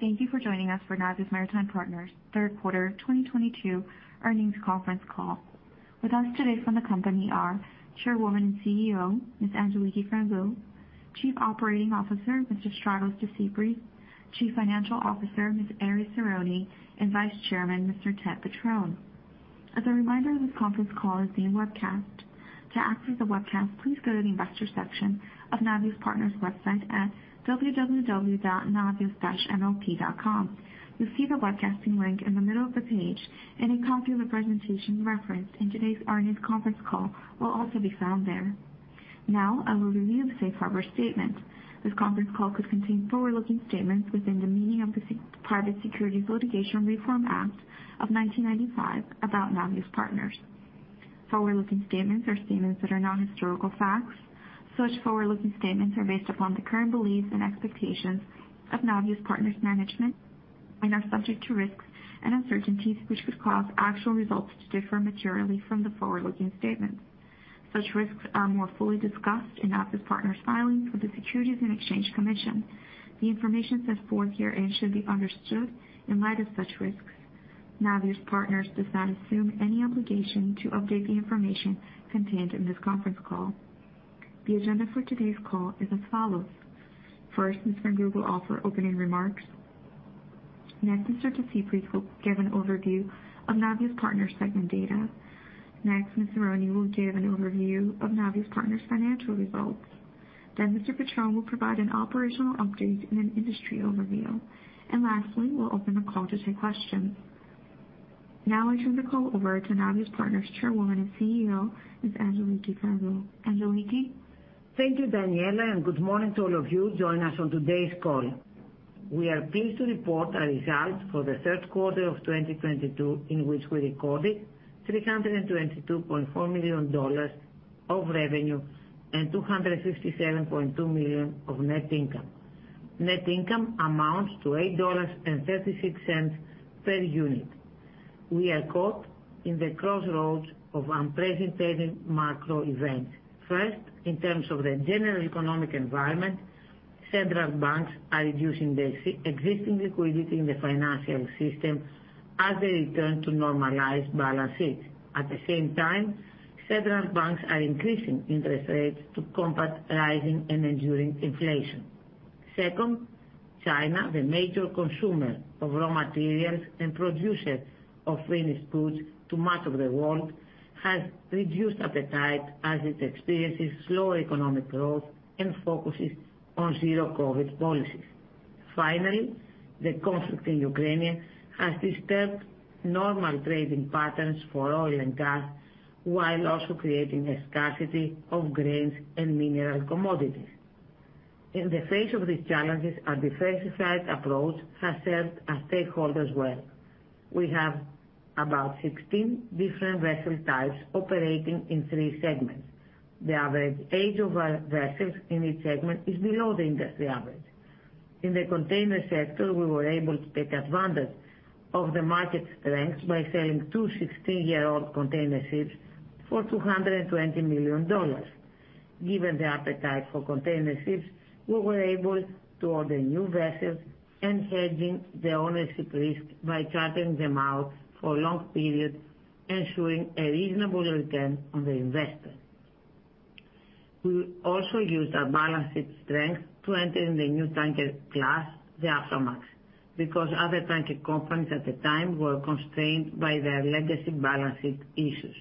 Thank you for joining us for Navios Maritime Partners third quarter 2022 earnings conference call. With us today from the company are Chairwoman and CEO, Ms. Angeliki Frangou, Chief Operating Officer, Mr. Stratos Desypris, Chief Financial Officer, Ms. Erifili Tsironi, and Vice Chairman, Mr. Ted Petrone. As a reminder, this conference call is being webcast. To access the webcast, please go to the investor section of Navios Partners website at www.navios-mlp.com. You'll see the webcasting link in the middle of the page, and a copy of the presentation referenced in today's earnings conference call will also be found there. Now I will review the safe harbor statement. This conference call could contain forward-looking statements within the meaning of the Private Securities Litigation Reform Act of 1995 about Navios Partners. Forward-looking statements are statements that are not historical facts. Such forward-looking statements are based upon the current beliefs and expectations of Navios Partners Management, and are subject to risks and uncertainties which could cause actual results to differ materially from the forward-looking statements. Such risks are more fully discussed in Navios Partners' filing with the Securities and Exchange Commission. The information set forth herein should be understood in light of such risks. Navios Partners does not assume any obligation to update the information contained in this conference call. The agenda for today's call is as follows. First, Ms. Frangou will offer opening remarks. Next, Mr. Desypris will give an overview of Navios Partners segment data. Next, Ms. Tsironi will give an overview of Navios Partners financial results. Then Mr. Petrone will provide an operational update and an industry overview. Lastly, we'll open the call to take questions. Now I turn the call over to Navios Partners Chairwoman and CEO, Ms. Angeliki Frangou. Angeliki. Thank you, Daniela, and good morning to all of you joining us on today's call. We are pleased to report our results for the third quarter of 2022, in which we recorded $322.4 million of revenue and $257.2 million of net income. Net income amounts to $8.36 per unit. We are caught in the crossroads of unprecedented macro events. First, in terms of the general economic environment, central banks are reducing the existing liquidity in the financial system as they return to normalized balance sheets. At the same time, central banks are increasing interest rates to combat rising and enduring inflation. Second, China, the major consumer of raw materials and producer of finished goods to much of the world, has reduced appetite as it experiences slower economic growth and focuses on zero-COVID policies. Finally, the conflict in Ukraine has disturbed normal trading patterns for oil and gas, while also creating a scarcity of grains and mineral commodities. In the face of these challenges, our diversified approach has served our stakeholders well. We have about 16 different vessel types operating in three segments. The average age of our vessels in each segment is below the industry average. In the container sector, we were able to take advantage of the market strength by selling two 16-year-old container ships for $220 million. Given the appetite for container ships, we were able to order new vessels and hedging the ownership risk by chartering them out for long period, ensuring a reasonable return on the investment. We also used our balance sheet strength to enter in the new tanker class, the Aframax, because other tanker companies at the time were constrained by their legacy balance sheet issues.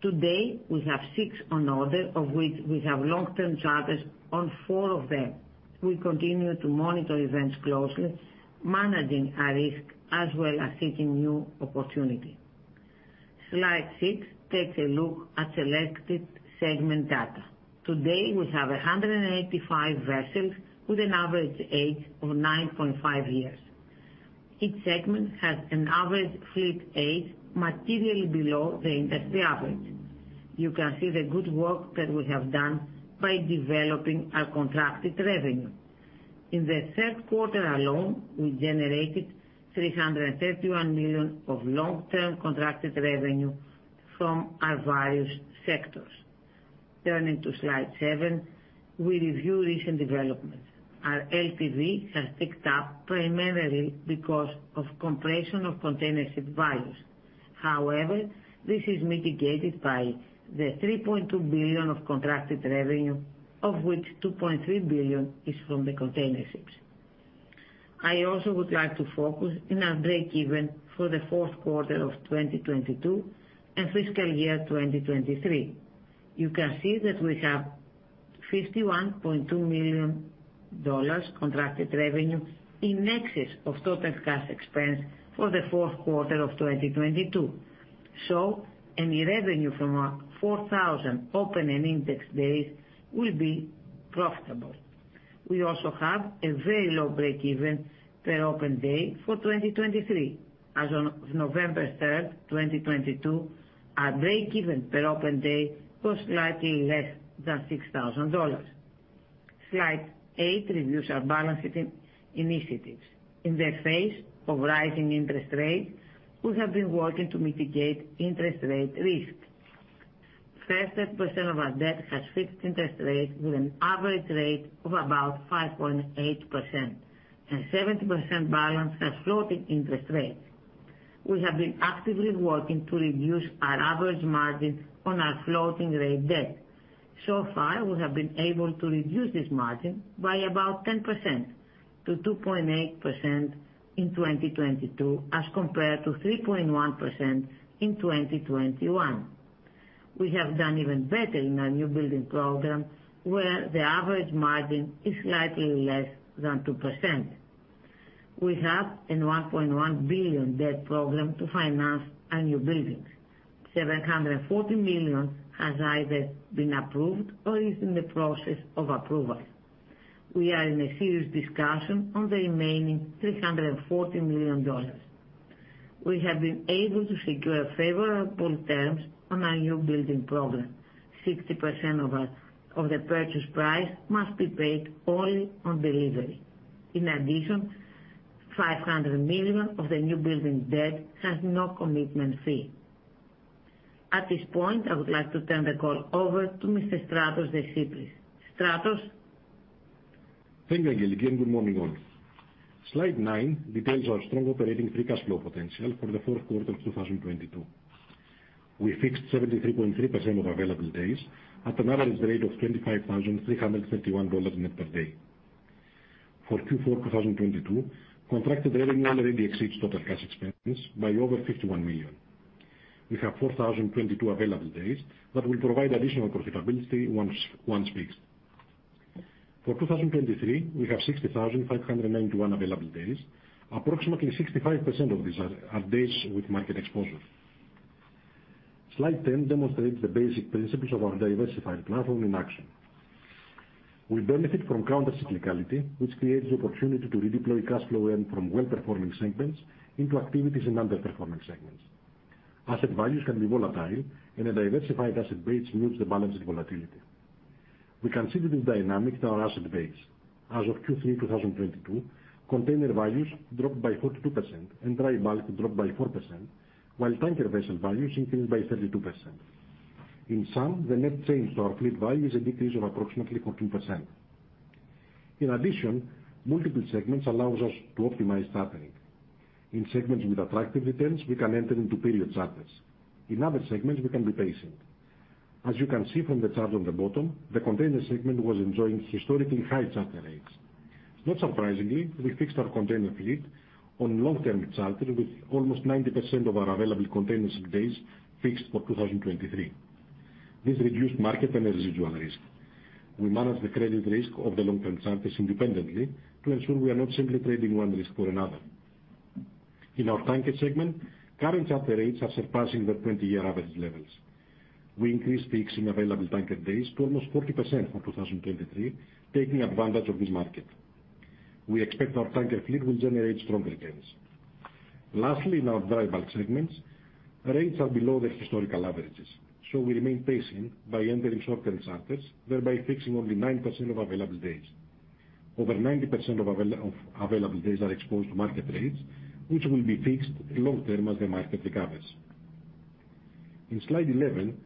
Today, we have six on order, of which we have long-term charters on four of them. We continue to monitor events closely, managing our risk as well as seeking new opportunity. Slide 6 takes a look at selected segment data. Today, we have 185 vessels with an average age of 9.5 years. Each segment has an average fleet age materially below the industry average. You can see the good work that we have done by developing our contracted revenue. In the third quarter alone, we generated $331 million of long-term contracted revenue from our various sectors. Turning to slide seven, we review recent developments. Our LTV has ticked up primarily because of compression of container ship values. However, this is mitigated by the $3.2 billion of contracted revenue, of which $2.3 billion is from the container ships. I also would like to focus on our breakeven for the fourth quarter of 2022 and fiscal year 2023. You can see that we have $51.2 million contracted revenue in excess of total cash expense for the fourth quarter of 2022. Any revenue from our 4,000 open and indexed days will be profitable. We also have a very low breakeven per open day for 2023. As on November 3, 2022, our breakeven per open day was slightly less than $6,000. Slide eight reviews our balancing initiatives. In the face of rising interest rates, we have been working to mitigate interest rate risk. 30% of our debt has fixed interest rates with an average rate of about 5.8%, and 70% balance has floating interest rates. We have been actively working to reduce our average margin on our floating rate debt. So far, we have been able to reduce this margin by about 10% to 2.8% in 2022, as compared to 3.1% in 2021. We have done even better in our new building program, where the average margin is slightly less than 2%. We have a $1.1 billion debt program to finance our new buildings. $740 million has either been approved or is in the process of approval. We are in a serious discussion on the remaining $340 million. We have been able to secure favorable terms on our new building program. 60% of the purchase price must be paid only on delivery. In addition, $500 million of the new building debt has no commitment fee. At this point, I would like to turn the call over to Mr. Stratos Desypris. Stratos? Thank you, Angeliki, and good morning, all. Slide 9 details our strong operating free cash flow potential for the fourth quarter of 2022. We fixed 73.3% of available days at an average rate of $25,331 net per day. For Q4 2022, contracted revenue already exceeds total cash expense by over $51 million. We have 4,022 available days that will provide additional profitability once fixed. For 2023, we have 60,591 available days. Approximately 65% of these are days with market exposure. Slide 10 demonstrates the basic principles of our diversified platform in action. We benefit from counter-cyclicality, which creates the opportunity to redeploy cash flow earned from well-performing segments into activities in underperforming segments. Asset values can be volatile, and a diversified asset base moves the balance in volatility. We can see this dynamic in our asset base. As of Q3 2022, container values dropped by 42% and dry bulk dropped by 4%, while tanker vessel values increased by 32%. In sum, the net change to our fleet value is a decrease of approximately 14%. In addition, multiple segments allows us to optimize patterning. In segments with attractive returns, we can enter into period charters. In other segments, we can be patient. As you can see from the chart on the bottom, the container segment was enjoying historically high charter rates. Not surprisingly, we fixed our container fleet on long-term charters with almost 90% of our available container ship days fixed for 2023. This reduced market and residual risk. We manage the credit risk of the long-term charters independently to ensure we are not simply trading one risk for another. In our tanker segment, current charter rates are surpassing their 20-year average levels. We increased peaks in available tanker days to almost 40% for 2023, taking advantage of this market. We expect our tanker fleet will generate strong returns. Lastly, in our dry bulk segments, rates are below their historical averages, so we remain patient by entering short-term charters, thereby fixing only 9% of available days. Over 90% of available days are exposed to market rates, which will be fixed long-term as the market recovers. In slide 11,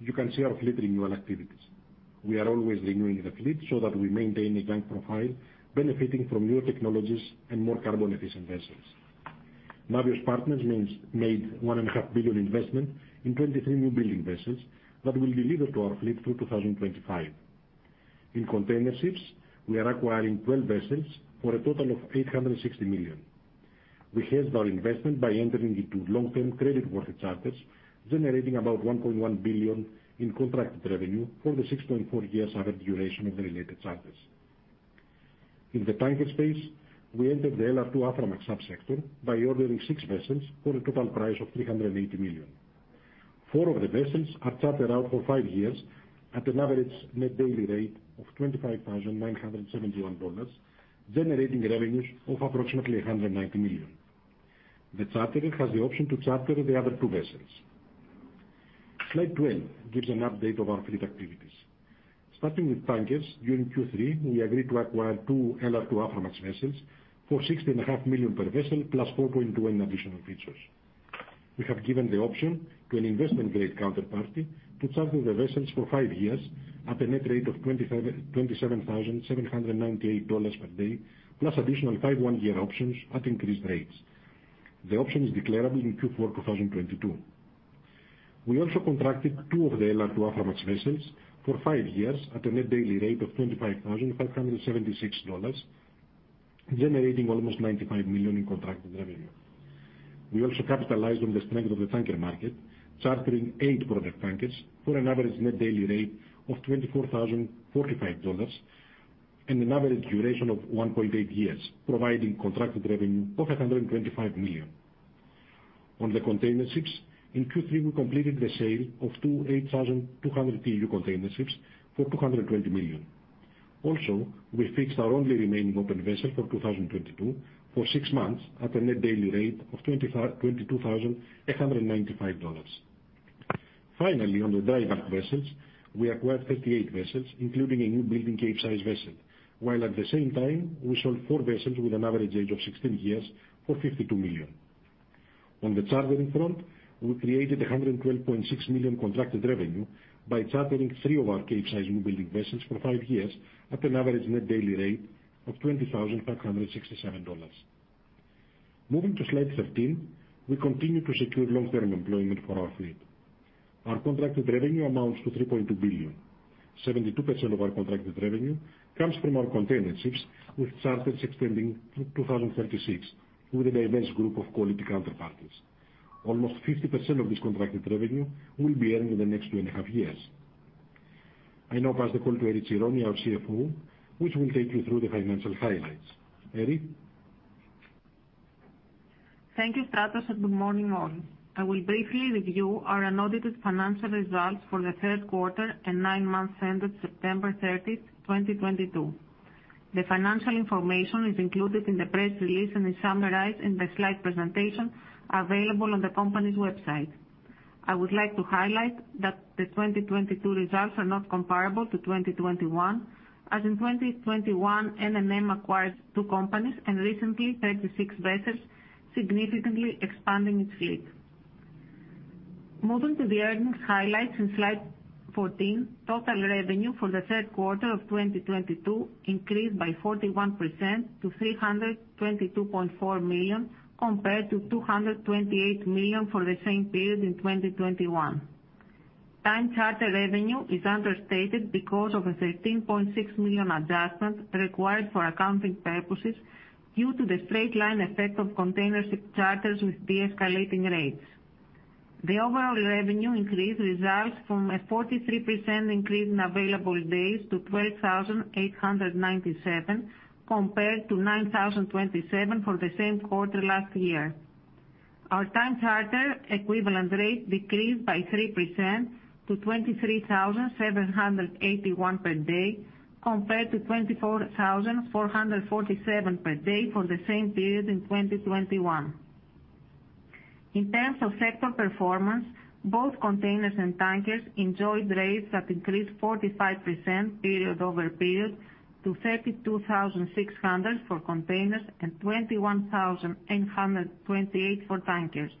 you can see our fleet renewal activities. We are always renewing the fleet so that we maintain a young profile benefiting from newer technologies and more carbon efficient vessels. Navios Partners has made $1.5 billion investment in 23 newbuilding vessels that will be delivered to our fleet through 2025. In containerships, we are acquiring 12 vessels for a total of $860 million. We hedged our investment by entering into long-term credit-worthy charters, generating about $1.1 billion in contracted revenue for the 6.4 years average duration of the related charters. In the tanker space, we entered the LR2 Aframax sub-sector by ordering six vessels for a total price of $380 million. Four of the vessels are chartered out for five years at an average net daily rate of $25,971, generating revenues of approximately $190 million. The charterer has the option to charter the other two vessels. Slide 12 gives an update of our fleet activities. Starting with tankers, during Q3, we agreed to acquire 2 LR2 Aframax vessels for $60 and a half million per vessel, plus $4.2 million in additional features. We have given the option to an investment-grade counterparty to charter the vessels for five years at a net rate of 27,798 dollars per day, plus additional five one-year options at increased rates. The option is declarable in Q4 2022. We also contracted two of the LR2 Aframax vessels for five years at a net daily rate of $25,576, generating almost $95 million in contracted revenue. We also capitalized on the strength of the tanker market, chartering 8 product tankers for an average net daily rate of 24,045 dollars and an average duration of 1.8 years, providing contracted revenue of $125 million. On the containerships, in Q3, we completed the sale of two 8,200-TEU containerships for $220 million. Also, we fixed our only remaining open vessel for 2022 for six months at a net daily rate of $22,195. Finally, on the dry bulk vessels, we acquired 38 vessels, including a newbuilding Capesize vessel, while at the same time, we sold four vessels with an average age of 16 years for $52 million. On the chartering front, we created $112.6 million contracted revenue by chartering three of our Capesize newbuilding vessels for five years at an average net daily rate of $20,567. Moving to slide 13, we continue to secure long-term employment for our fleet. Our contracted revenue amounts to $3.2 billion. 72% of our contracted revenue comes from our container ships, with charters extending through 2036 with a diverse group of quality counterparties. Almost 50% of this contracted revenue will be earned in the next 2.5 years. I now pass the call to Erifili Tsironi, our CFO, which will take you through the financial highlights. Erifili? Thank you, Stratos, and good morning, all. I will briefly review our unaudited financial results for the third quarter and nine months ended September 30, 2022. The financial information is included in the press release and is summarized in the slide presentation available on the company's website. I would like to highlight that the 2022 results are not comparable to 2021 as in 2021, NMM acquired two companies and recently 36 vessels, significantly expanding its fleet. Moving to the earnings highlights in slide 14, total revenue for the third quarter of 2022 increased by 41% to $322.4 million, compared to $228 million for the same period in 2021. Time charter revenue is understated because of a $13.6 million adjustment required for accounting purposes due to the straight line effect of container ship charters with de-escalating rates. The overall revenue increase results from a 43% increase in available days to $12,897, compared to $9,027 for the same quarter last year. Our time charter equivalent rate decreased by 3% to $23,781 per day, compared to $24,447 per day for the same period in 2021. In terms of sector performance, both containers and tankers enjoyed rates that increased 45% period-over-period to $32,600 for containers and $21,828 for tankers.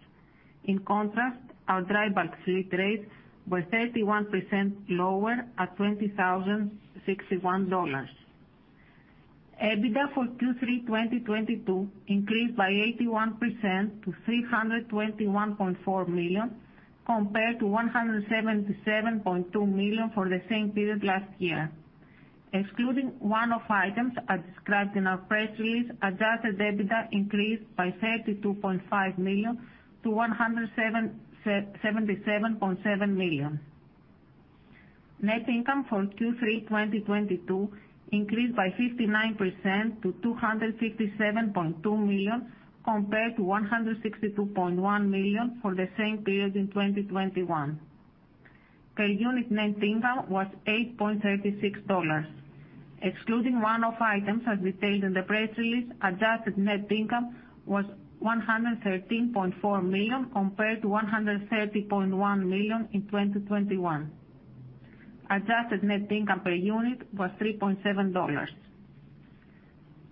In contrast, our dry bulk fleet rates were 31% lower at $20,061. EBITDA for Q3 2022 increased by 81% to $321.4 million, compared to $177.2 million for the same period last year. Excluding one-off items as described in our press release, adjusted EBITDA increased by $32.5 million to $177.7 million. Net income for Q3 2022 increased by 59% to $257.2 million, compared to $162.1 million for the same period in 2021. Per unit net income was $8.36. Excluding one-off items as detailed in the press release, adjusted net income was $113.4 million compared to $130.1 million in 2021. Adjusted net income per unit was $3.7.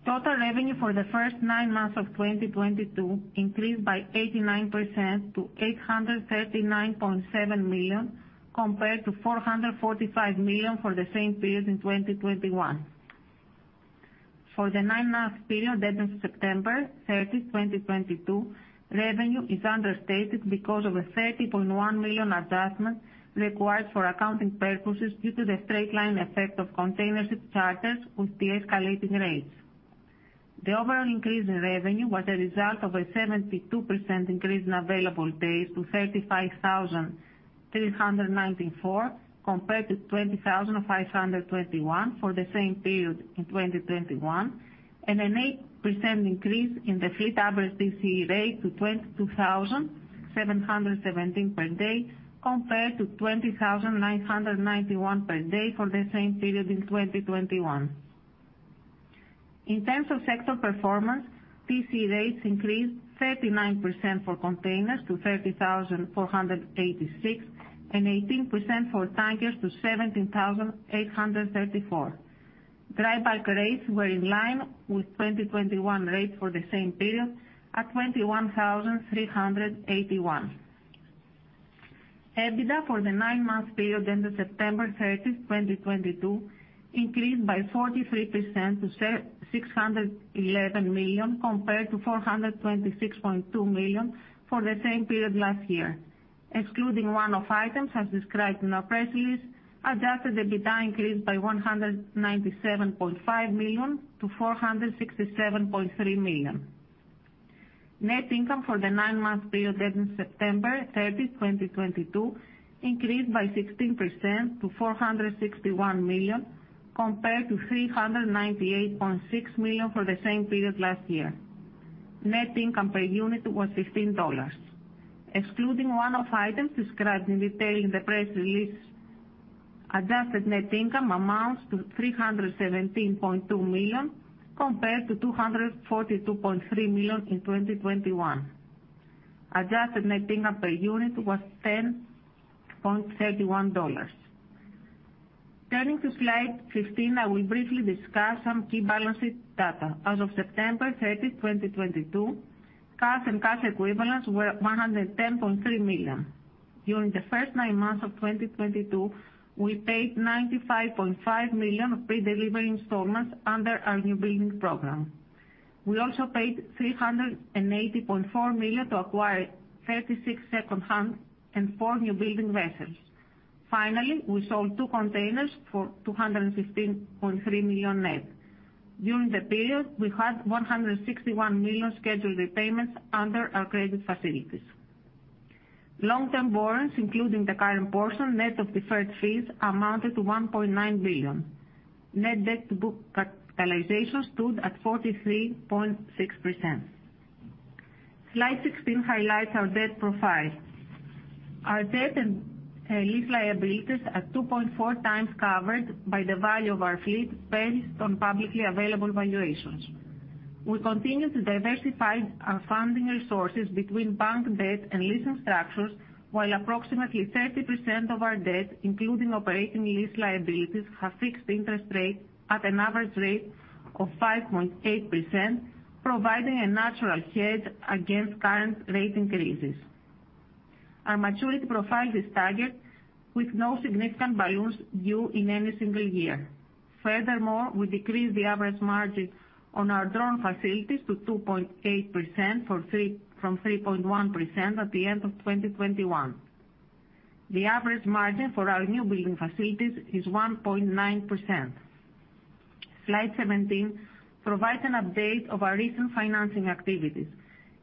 Total revenue for the first nine months of 2022 increased by 89% to $839.7 million, compared to $445 million for the same period in 2021. For the nine-month period ended September 30, 2022, revenue is understated because of a $30.1 million adjustment required for accounting purposes due to the straight line effect of container ship charters with de-escalating rates. The overall increase in revenue was a result of a 72% increase in available days to 35,394, compared to 20,521 for the same period in 2021, and an 8% increase in the fleet average TCE rate to $22,717 per day compared to $20,991 per day for the same period in 2021. In terms of sector performance, PC rates increased 39% for containers to $30,486 and 18% for tankers to 17,834. Dry bulk rates were in line with 2021 rates for the same period at 21,381. EBITDA for the nine-month period ended September 30, 2022 increased by 43% to $611 million compared to $426.2 million for the same period last year. Excluding one-off items as described in our press release, adjusted EBITDA increased by $197.5 million to $467.3 million. Net income for the 9-month period ended September 30, 2022 increased by 16% to $461 million, compared to $398.6 million for the same period last year. Net income per unit was $15. Excluding one-off items described in detail in the press release, adjusted net income amounts to $317.2 million compared to $242.3 million in 2021. Adjusted net income per unit was $10.31. Turning to slide 15, I will briefly discuss some key balance sheet data. As of September 30, 2022, cash and cash equivalents were $110.3 million. During the first 9 months of 2022, we paid $95.5 million pre-delivery installments under our new building program. We also paid $380.4 million to acquire 36 second-hand and four newbuilding vessels. Finally, we sold two containers for $215.3 million net. During the period, we had $161 million scheduled repayments under our credit facilities. Long-term loans, including the current portion net of deferred fees, amounted to $1.9 billion. Net debt to book capitalization stood at 43.6%. Slide 16 highlights our debt profile. Our debt and, lease liabilities are 2.4 times covered by the value of our fleet based on publicly available valuations. We continue to diversify our funding resources between bank debt and leasing structures, while approximately 30% of our debt, including operating lease liabilities, have fixed interest rate at an average rate of 5.8%, providing a natural hedge against current rate increases. Our maturity profile is targeted with no significant balloons due in any single year. Furthermore, we decreased the average margin on our drawn facilities to 2.8% from 3.1% at the end of 2021. The average margin for our newbuilding facilities is 1.9%. Slide 17 provides an update of our recent financing activities.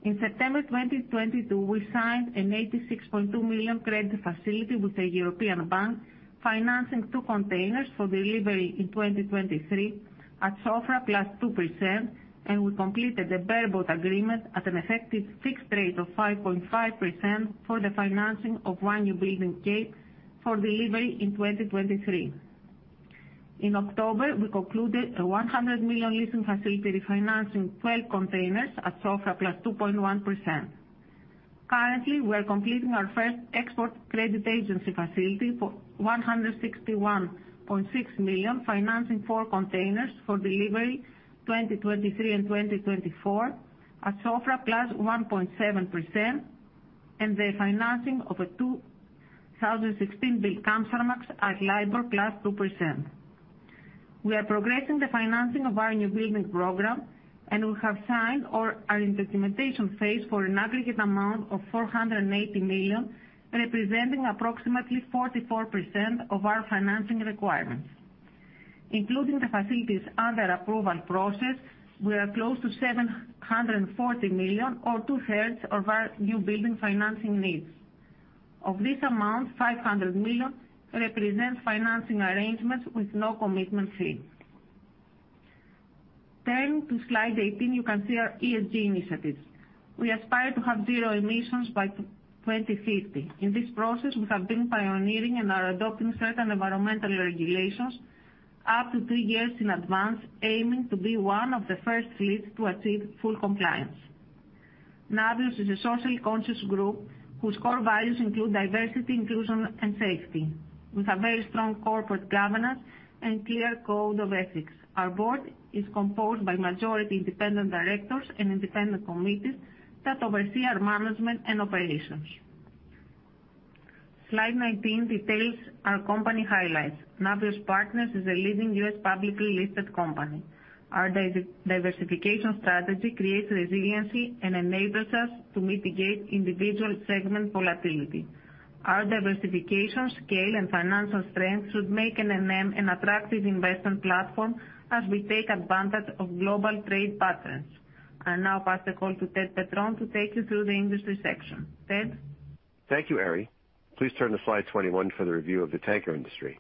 In September 2022, we signed an $86.2 million credit facility with a European bank financing two containers for delivery in 2023 at SOFR + 2%, and we completed the bareboat agreement at an effective fixed rate of 5.5% for the financing of one newbuilding Capesize for delivery in 2023. In October, we concluded a $100 million leasing facility refinancing twelve containers at SOFR + 2.1%. Currently, we are completing our first export credit agency facility for $161.6 million, financing four containers for delivery 2023 and 2024 at SOFR plus 1.7% and the financing of a 2016-built Kamsarmax at LIBOR plus 2%. We are progressing the financing of our new building program, and we have signed or are in the implementation phase for an aggregate amount of $480 million, representing approximately 44% of our financing requirements. Including the facilities under approval process, we are close to $740 million or two-thirds of our new building financing needs. Of this amount, $500 million represents financing arrangements with no commitment fees. Turning to slide 18, you can see our ESG initiatives. We aspire to have zero emissions by 2050. In this process, we have been pioneering and are adopting certain environmental regulations up to three years in advance, aiming to be one of the first fleets to achieve full compliance. Navios is a socially conscious group whose core values include diversity, inclusion, and safety, with a very strong corporate governance and clear code of ethics. Our board is composed by majority independent directors and independent committees that oversee our management and operations. Slide 19 details our company highlights. Navios Partners is a leading U.S. publicly listed company. Our diversification strategy creates resiliency and enables us to mitigate individual segment volatility. Our diversification scale and financial strength should make NMM an attractive investment platform as we take advantage of global trade patterns. I now pass the call to Ted Petrone to take you through the industry section. Ted? Thank you, Erie. Please turn to slide 21 for the review of the tanker industry.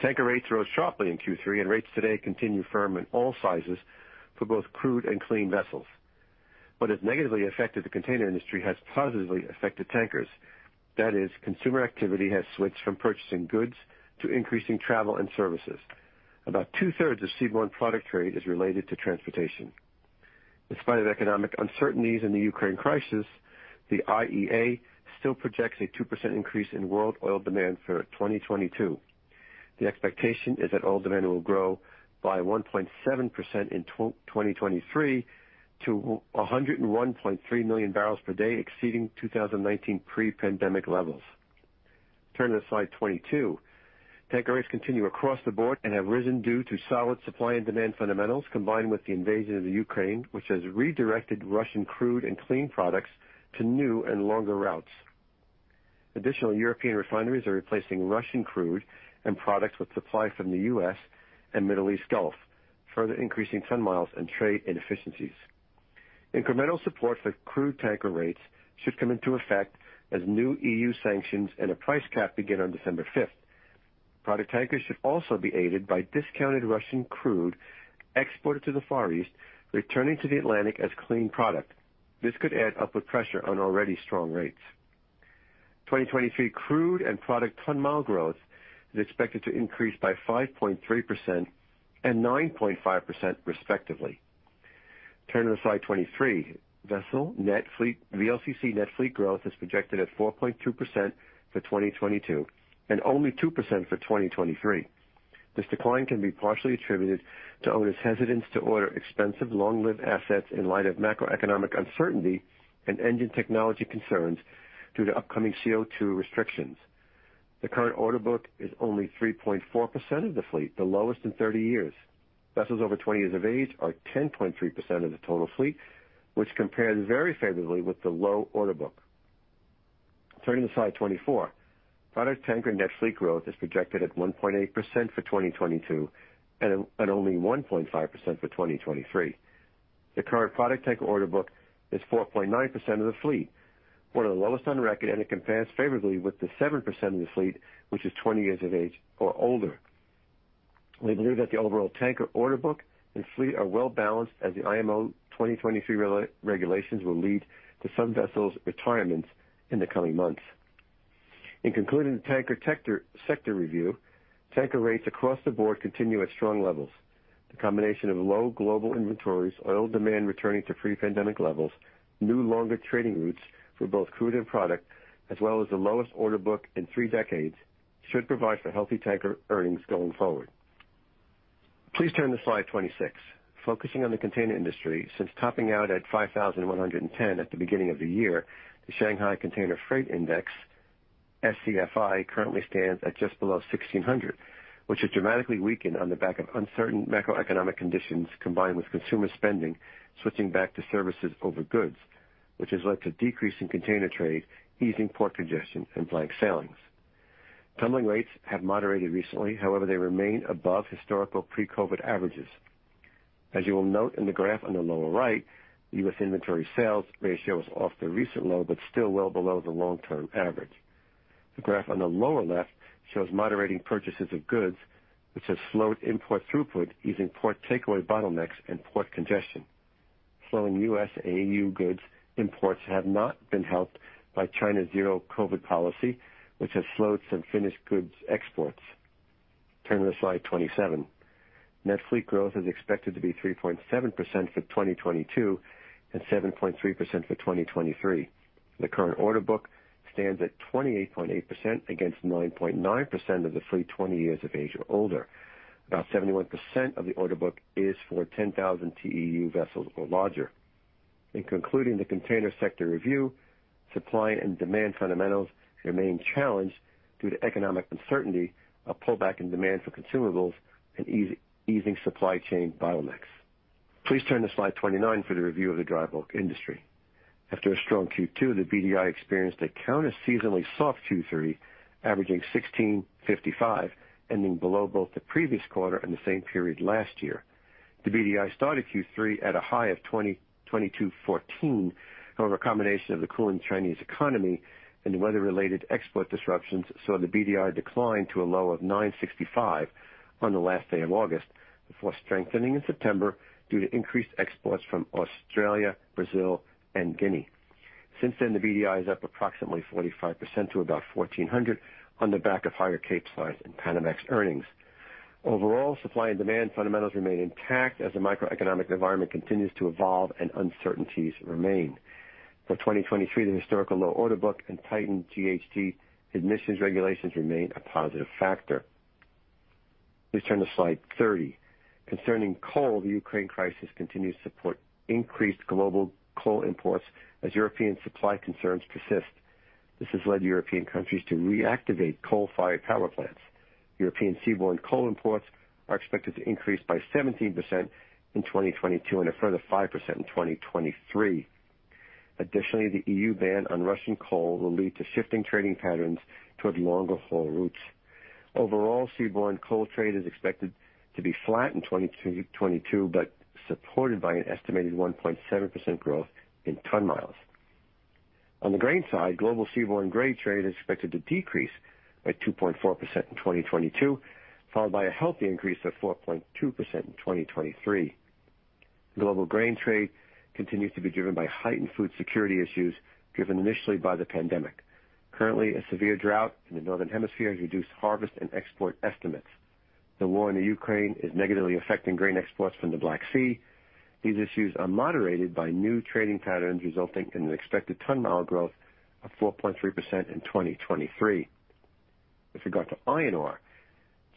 Tanker rates rose sharply in Q3, and rates today continue firm in all sizes for both crude and clean vessels. What has negatively affected the container industry has positively affected tankers. That is, consumer activity has switched from purchasing goods to increasing travel and services. About two-thirds of seaborne product trade is related to transportation. In spite of economic uncertainties in the Ukraine crisis, the IEA still projects a 2% increase in world oil demand for 2022. The expectation is that oil demand will grow by 1.7% in 2023 to 101.3 million barrels per day, exceeding 2019 pre-pandemic levels. Turning to slide 22. Tanker rates continue across the board and have risen due to solid supply and demand fundamentals, combined with the invasion of Ukraine, which has redirected Russian crude and clean products to new and longer routes. Additional European refineries are replacing Russian crude and products with supply from the U.S. and Middle East Gulf, further increasing ton miles and trade inefficiencies. Incremental support for crude tanker rates should come into effect as new EU sanctions and a price cap begin on December fifth. Product tankers should also be aided by discounted Russian crude exported to the Far East, returning to the Atlantic as clean product. This could add upward pressure on already strong rates. 2023 crude and product ton mile growth is expected to increase by 5.3% and 9.5% respectively. Turn to slide 23. VLCC net fleet growth is projected at 4.2% for 2022 and only 2% for 2023. This decline can be partially attributed to owners' hesitance to order expensive long-lived assets in light of macroeconomic uncertainty and engine technology concerns due to upcoming CO2 restrictions. The current order book is only 3.4% of the fleet, the lowest in 30 years. Vessels over 20 years of age are 10.3% of the total fleet, which compares very favorably with the low order book. Turning to slide 24. Product tanker net fleet growth is projected at 1.8% for 2022 and only 1.5% for 2023. The current product tanker order book is 4.9% of the fleet, one of the lowest on record, and it compares favorably with the 7% of the fleet, which is 20 years of age or older. We believe that the overall tanker order book and fleet are well balanced as the IMO 2023 regulations will lead to some vessels' retirements in the coming months. In concluding the tanker sector review, tanker rates across the board continue at strong levels. The combination of low global inventories, oil demand returning to pre-pandemic levels, new longer trading routes for both crude and product, as well as the lowest order book in three decades should provide for healthy tanker earnings going forward. Please turn to slide 26. Focusing on the container industry since topping out at 5,110 at the beginning of the year, the Shanghai Containerized Freight Index, SCFI, currently stands at just below 1,600, which has dramatically weakened on the back of uncertain macroeconomic conditions combined with consumer spending switching back to services over goods, which has led to decrease in container trade, easing port congestion and blank sailings. Tumbling rates have moderated recently, however, they remain above historical pre-COVID averages. As you will note in the graph on the lower right, the U.S. inventory sales ratio is off the recent low but still well below the long-term average. The graph on the lower left shows moderating purchases of goods, which has slowed import throughput, easing port throughput bottlenecks and port congestion. Slowing US/EU goods imports have not been helped by China's zero-COVID policy, which has slowed some finished goods exports. Turn to slide 27. Net fleet growth is expected to be 3.7% for 2022 and 7.3% for 2023. The current order book stands at 28.8% against 9.9% of the fleet 20 years of age or older. About 71% of the order book is for 10,000 TEU vessels or larger. In concluding the container sector review, supply and demand fundamentals remain challenged due to economic uncertainty, a pullback in demand for consumables and easing supply chain bottlenecks. Please turn to slide 29 for the review of the dry bulk industry. After a strong Q2, the BDI experienced a counter-seasonally soft Q3, averaging 1,655, ending below both the previous quarter and the same period last year. The BDI started Q3 at a high of 2,214. However, a combination of the cooling Chinese economy and weather-related export disruptions saw the BDI decline to a low of 965 on the last day of August, before strengthening in September due to increased exports from Australia, Brazil, and Guinea. Since then, the BDI is up approximately 45% to about 1,400 on the back of higher Capesize and Panamax earnings. Overall, supply and demand fundamentals remain intact as the macroeconomic environment continues to evolve and uncertainties remain. For 2023, the historical low order book and tightened GHG emissions regulations remain a positive factor. Please turn to slide 30. Concerning coal, the Ukraine crisis continues to support increased global coal imports as European supply concerns persist. This has led European countries to reactivate coal-fired power plants. European seaborne coal imports are expected to increase by 17% in 2022 and a further 5% in 2023. Additionally, the EU ban on Russian coal will lead to shifting trading patterns toward longer haul routes. Overall, seaborne coal trade is expected to be flat in 2022, but supported by an estimated 1.7% growth in ton miles. On the grain side, global seaborne grain trade is expected to decrease by 2.4% in 2022, followed by a healthy increase of 4.2% in 2023. Global grain trade continues to be driven by heightened food security issues driven initially by the pandemic. Currently, a severe drought in the northern hemisphere has reduced harvest and export estimates. The war in Ukraine is negatively affecting grain exports from the Black Sea. These issues are moderated by new trading patterns, resulting in an expected ton mile growth of 4.3% in 2023. With regard to iron ore,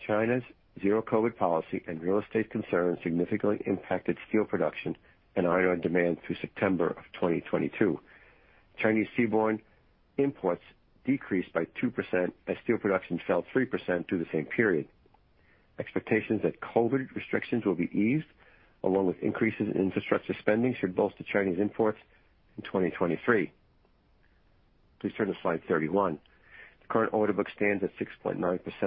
China's zero-COVID policy and real estate concerns significantly impacted steel production and iron ore demand through September 2022. Chinese seaborne imports decreased by 2% as steel production fell 3% through the same period. Expectations that COVID restrictions will be eased, along with increases in infrastructure spending should boost Chinese imports in 2023. Please turn to slide 31. The current order book stands at 6.9%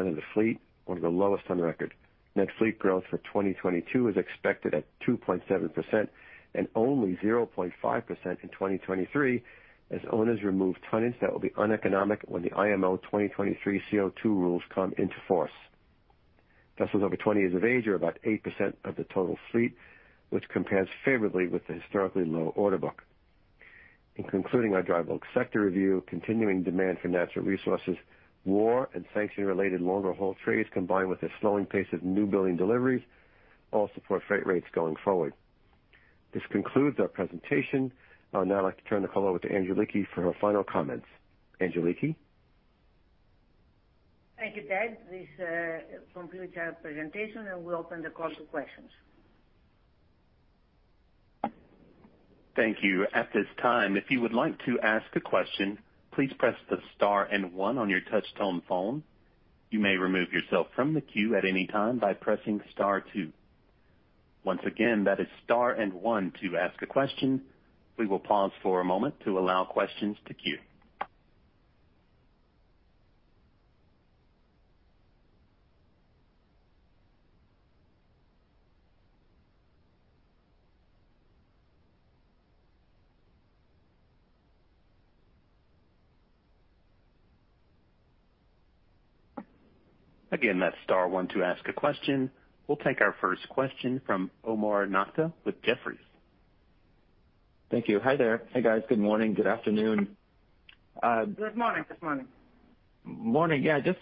of the fleet, one of the lowest on record. Net fleet growth for 2022 is expected at 2.7% and only 0.5% in 2023, as owners remove tonnage that will be uneconomic when the IMO 2023 CO2 rules come into force. Vessels over 20 years of age are about 8% of the total fleet, which compares favorably with the historically low order book. In concluding our dry bulk sector review, continuing demand for natural resources, war and sanction related longer haul trades, combined with a slowing pace of new building deliveries, all support freight rates going forward. This concludes our presentation. I would now like to turn the call over to Angeliki for her final comments. Angeliki? Thank you, Ted. This concludes our presentation, and we open the call to questions. Thank you. At this time, if you would like to ask a question, please press the star and one on your touch tone phone. You may remove yourself from the queue at any time by pressing star two. Once again, that is star and one to ask a question. We will pause for a moment to allow questions to queue. Again, that's star one to ask a question. We'll take our first question from Omar Nokta with Jefferies. Thank you. Hi there. Hey, guys. Good morning. Good afternoon. Good morning. Good morning. Morning. Yeah, just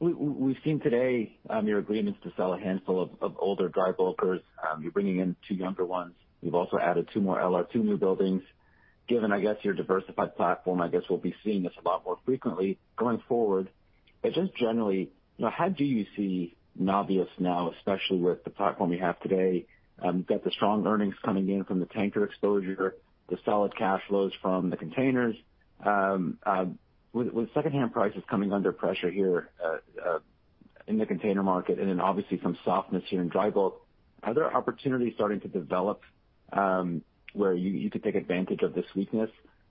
we've seen today your agreements to sell a handful of older dry bulkers. You're bringing in two younger ones. You've also added two more LR2 newbuildings. Given, I guess, your diversified platform, I guess we'll be seeing this a lot more frequently going forward. Just generally, you know, how do you see Navios now, especially with the platform you have today? You've got the strong earnings coming in from the tanker exposure, the solid cash flows from the containers. With secondhand prices coming under pressure here in the container market and then obviously some softness here in dry bulk, are there opportunities starting to develop where you could take advantage of this weakness?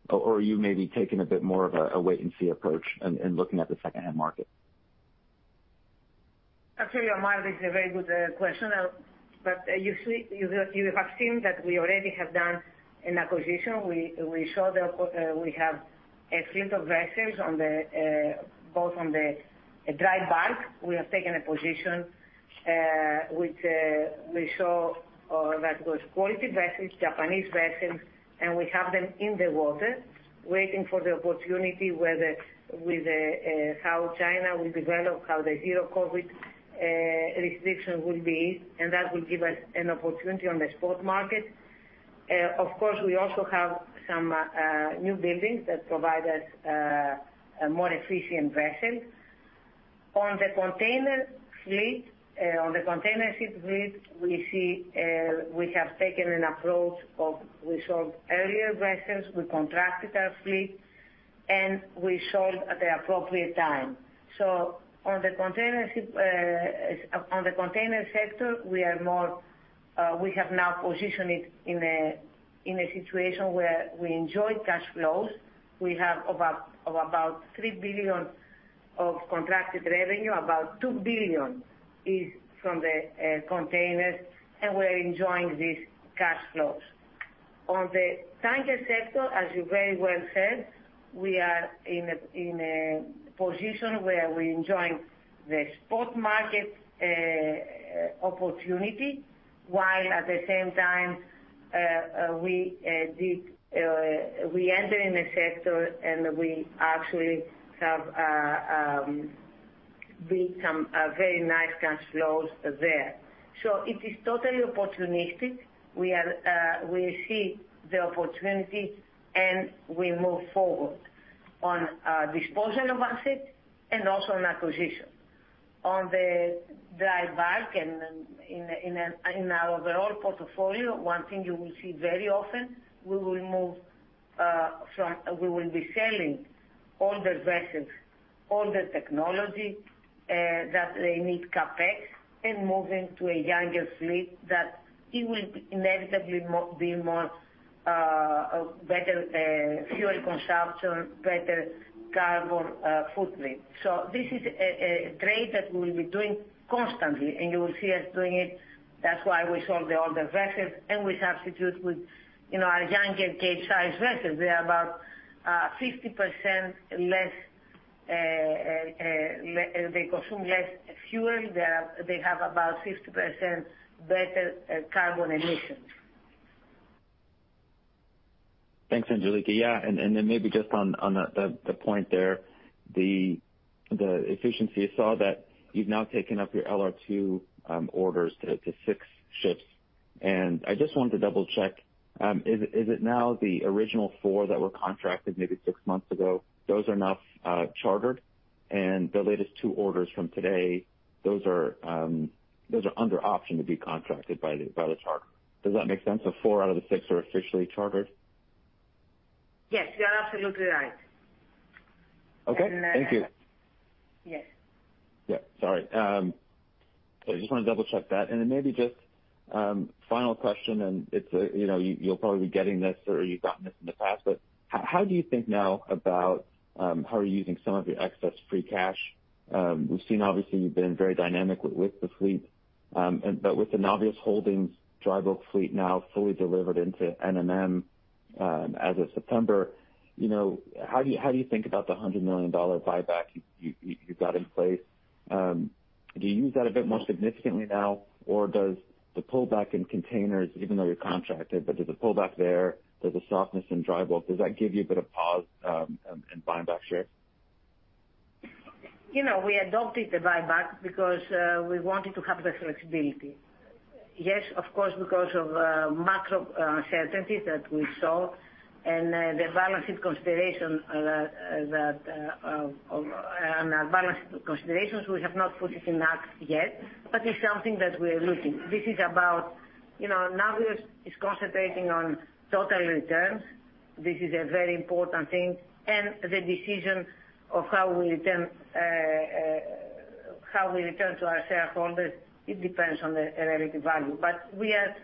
Are you maybe taking a bit more of a wait and see approach in looking at the secondhand market? Actually, Omar, this is a very good question. You see, you have seen that we already have done an acquisition. We have a fleet of vessels on the water both on the dry bulk. We have taken a position, which we show or that was quality vessels, Japanese vessels, and we have them in the water waiting for the opportunity whether with how China will develop, how the zero COVID restriction will be, and that will give us an opportunity on the spot market. Of course, we also have some new buildings that provide us a more efficient vessel. On the container fleet, on the container ship fleet, we see we have taken an approach of we sold earlier vessels, we contracted our fleet, and we sold at the appropriate time. On the container ship, on the container sector, we have now positioned it in a situation where we enjoy cash flows. We have about $3 billion of contracted revenue. About $2 billion is from the containers, and we're enjoying these cash flows. On the tanker sector, as you very well said, we are in a position where we're enjoying the spot market opportunity, while at the same time we enter in a sector and we actually have built some very nice cash flows there. It is totally opportunistic. We see the opportunity and we move forward on disposal of assets and also on acquisition. On the dry bulk and in our overall portfolio, one thing you will see very often, we will be selling older vessels, older technology that they need CapEx and moving to a younger fleet that it will inevitably be more better fuel consumption, better carbon footprint. This is a trade that we'll be doing constantly. You will see us doing it. That's why we sold the older vessels and we substitute with our younger Capesize vessels. They are about 50% less; they consume less fuel. They have about 50% better carbon emissions. Thanks, Angeliki. Yeah, and then maybe just on the point there, the efficiency, I saw that you've now taken up your LR2 orders to six ships. I just wanted to double-check. Is it now the original four that were contracted maybe six months ago, those are now chartered? The latest two orders from today, those are under option to be contracted by the charter. Does that make sense? Four out of the six are officially chartered. Yes, you are absolutely right. Okay. Thank you. Yes. Yeah. Sorry. So I just wanted to double-check that. Then maybe just final question, and it's, you know, you'll probably be getting this or you've gotten this in the past. But how do you think now about how you're using some of your excess free cash? We've seen obviously you've been very dynamic with the fleet. But with the Navios Holdings dry bulk fleet now fully delivered into NMM as of September, you know, how do you think about the $100 million buyback you got in place? Do you use that a bit more significantly now or does the pullback in containers, even though you're contracted, but does the pullback there, does the softness in dry bulk, does that give you a bit of pause in buying back shares? You know, we adopted the buyback because we wanted to have the flexibility. Yes, of course, because of macro uncertainties that we saw and the balancing consideration that. On our balancing considerations, we have not put it into effect yet, but it's something that we're looking. This is about, you know, Navios is concentrating on total returns. This is a very important thing, and the decision of how we return to our shareholders, it depends on the relative value. We are.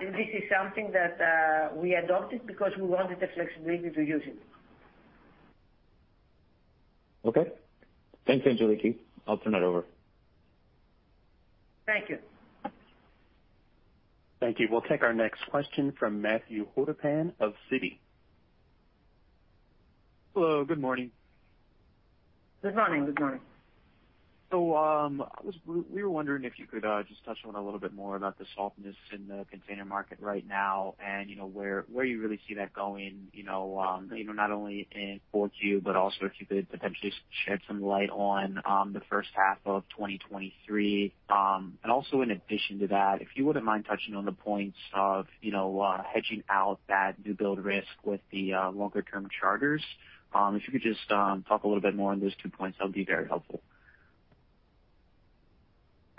This is something that we adopted because we wanted the flexibility to use it. Okay. Thanks, Angeliki. I'll turn it over. Thank you. Thank you. We'll take our next question from Matthew Hodapan of Citi. Hello. Good morning. Good morning. Good morning. We were wondering if you could just touch on a little bit more about the softness in the container market right now and, you know, where you really see that going, you know, not only in 4Q, but also if you could potentially shed some light on the first half of 2023. Also in addition to that, if you wouldn't mind touching on the points of, you know, hedging out that new build risk with the longer term charters. If you could just talk a little bit more on those two points, that would be very helpful.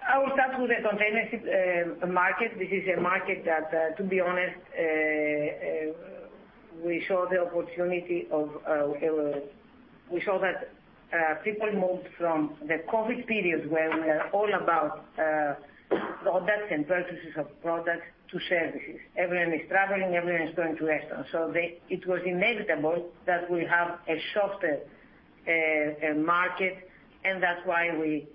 I will start with the container ship market. This is a market that, to be honest, we saw the opportunity of. We saw that people moved from the COVID period where we are all about products and purchases of products to services. Everyone is traveling, everyone is going to restaurants. It was inevitable that we have a softer market, and that's why we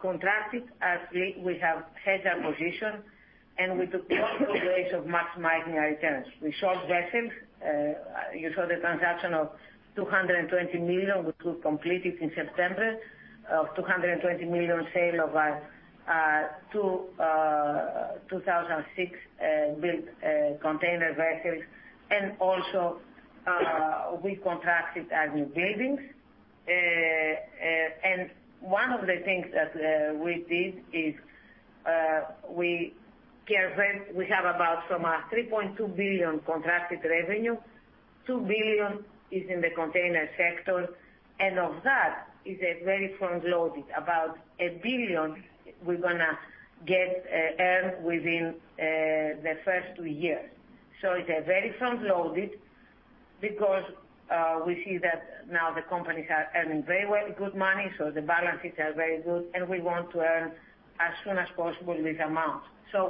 contracted as we have hedged our position and we took multiple ways of maximizing our returns. We sold vessels. You saw the transaction of $220 million, which we've completed in September, of $220 million sale of our 2006-built container vessels. Also, we contracted our new buildings. One of the things that we did is we care very. We have about, from our $3.2 billion contracted revenue, $2 billion is in the container sector, and of that is a very front loaded. About $1 billion, we're gonna get earn within the first two years. It's a very front loaded because we see that now the companies are earning very well, good money, so the balances are very good, and we want to earn as soon as possible this amount.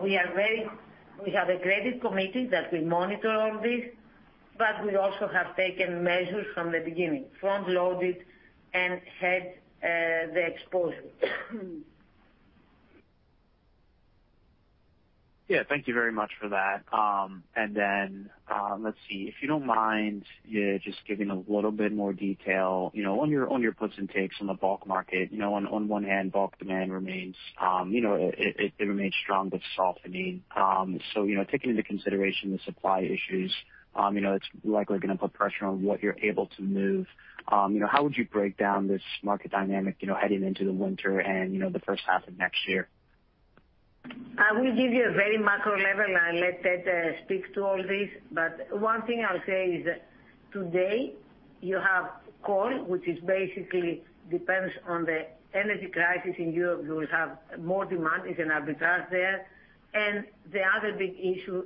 We are very we have a credit committee that we monitor all this, but we also have taken measures from the beginning, front load it and hedge the exposure. Yeah. Thank you very much for that. Let's see. If you don't mind, yeah, just giving a little bit more detail, you know, on your puts and takes on the bulk market. You know, on one hand, bulk demand remains, you know, it remains strong but softening. Taking into consideration the supply issues, you know, it's likely gonna put pressure on what you're able to move. You know, how would you break down this market dynamic, you know, heading into the winter and, you know, the first half of next year? I will give you a very macro level and let Ted speak to all this. One thing I'll say is that today you have coal, which is basically depends on the energy crisis in Europe. You will have more demand. It's an arbitrage there. The other big issue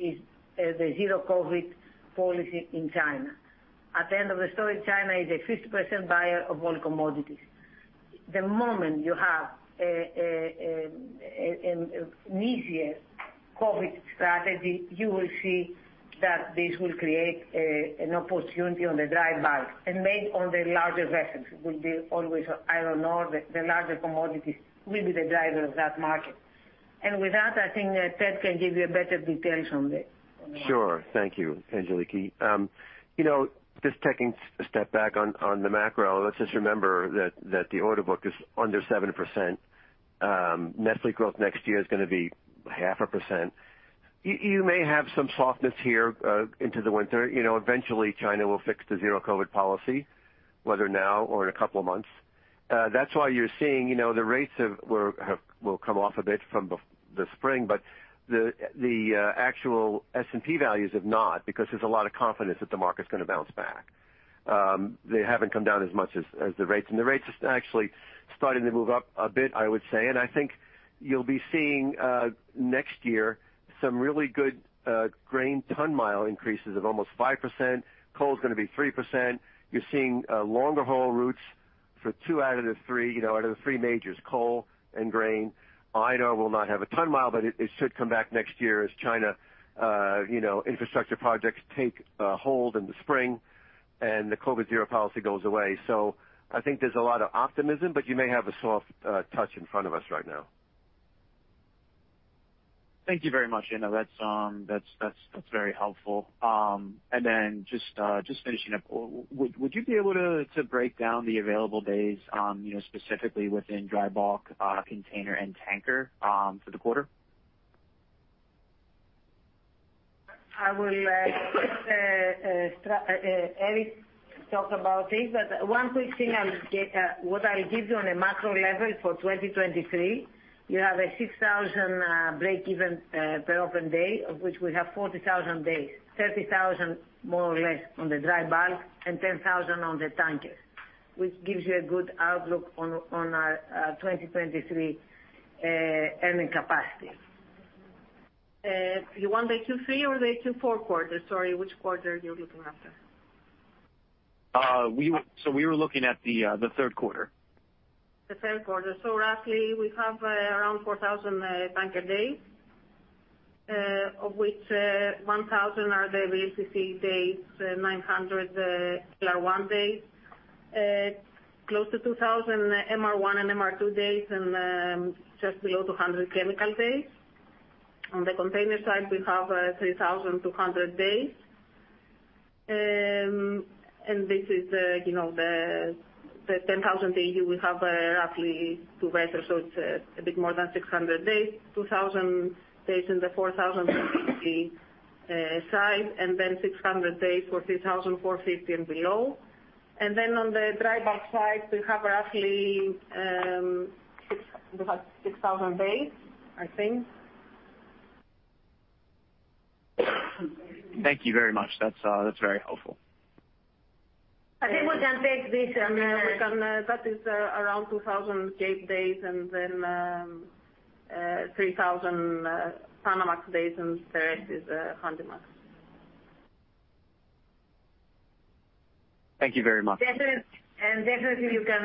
is the zero-COVID policy in China. At the end of the story, China is a 50% buyer of all commodities. The moment you have an easier COVID strategy, you will see that this will create an opportunity on the dry bulk and maybe on the larger vessels. It will be always iron ore. The larger commodities will be the driver of that market. With that, I think that Ted can give you better details on the Sure. Thank you, Angeliki. You know, just taking a step back on the macro, let's just remember that the order book is under 7%. Net fleet growth next year is gonna be 0.5%. You may have some softness here into the winter. You know, eventually China will fix the zero-COVID policy, whether now or in a couple of months. That's why you're seeing, you know, the rates will come off a bit from the spring, but the actual S&P values have not because there's a lot of confidence that the market's gonna bounce back. They haven't come down as much as the rates, and the rates are actually starting to move up a bit, I would say. I think you'll be seeing next year some really good grain ton mile increases of almost 5%. Coal is gonna be 3%. You're seeing longer haul routes for two out of the three, you know, out of the three majors, coal and grain. Iron ore will not have a ton mile, but it should come back next year as China, you know, infrastructure projects take hold in the spring and the COVID zero policy goes away. So I think there's a lot of optimism, but you may have a soft touch in front of us right now. Thank you very much. You know, that's very helpful. Just finishing up, would you be able to break down the available days, you know, specifically within dry bulk, container and tanker, for the quarter? I will Eric talk about this, but one quick thing I'll get what I'll give you on a macro level for 2023, you have a $6,000 breakeven per open day, of which we have 40,000 days, 30,000 more or less on the dry bulk and 10,000 on the tankers, which gives you a good outlook on our 2023 earning capacity. You want the Q3 or the Q4 quarter? Sorry, which quarter you're looking after? We were looking at the third quarter. The third quarter. Roughly we have around 4,000 tanker days, of which 1,000 are the VLCC days, 900 LR1 days, close to 2,000 MR1 and MR2 days and just below 200 chemical days. On the container side, we have 3,200 days. This is the, you know, the 10,000 days we have, roughly two vectors, so it's a bit more than 600 days, 2,000 days in the 4,000 size, and then 600 days for 3,450 and below. On the dry bulk side, we have roughly 6,000 days, I think. Thank you very much. That's very helpful. I think we can take this. That is around 2,000 Cape days and then 3,000 Panamax days, and the rest is Handymax. Thank you very much. Definitely. Definitely you can,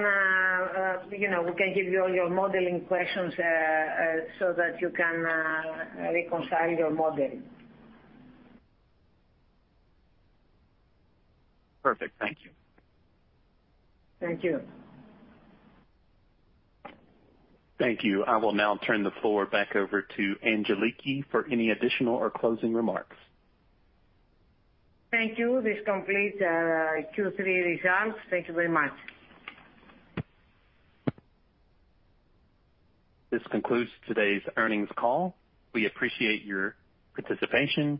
you know, we can give you all your modeling questions, so that you can reconcile your modeling. Perfect. Thank you. Thank you. Thank you. I will now turn the floor back over to Angeliki for any additional or closing remarks. Thank you. This completes Q3 results. Thank you very much. This concludes today's earnings call. We appreciate your participation.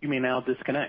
You may now disconnect.